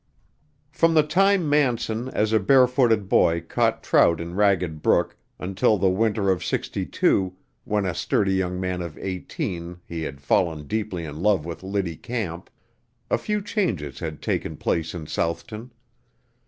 From the time Manson, as a barefooted boy, caught trout in Ragged Brook, until the winter of '62, when, a sturdy young man of eighteen, he had fallen deeply in love with Liddy Camp, a few changes had taken place in Southton.